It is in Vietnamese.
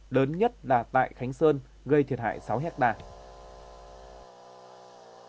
lớn nhất là tại khánh sơn gây thiệt hại sáu hectare